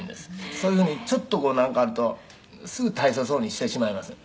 「そういうふうにちょっとなんかあるとすぐ大層そうにしてしまいます」